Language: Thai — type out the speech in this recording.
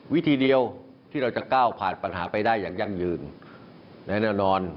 วิธีเดียวที่เราจะก้าวผ่านปัญหาไปได้อย่างยั่งยืนและแน่นอน